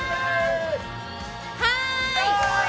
はい！